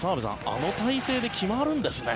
あの体勢で決まるんですね。